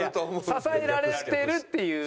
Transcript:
「支えられてる」っていう。